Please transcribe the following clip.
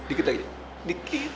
dikit aja dikit aja